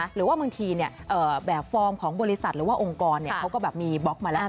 หรือว่าบางทีแบบฟอร์มของบริษัทหรือว่าองค์กรเขาก็แบบมีบล็อกมาแล้ว